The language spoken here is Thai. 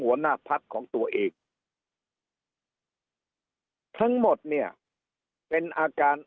หัวหน้าพักของตัวเองทั้งหมดเนี่ยเป็นอาการ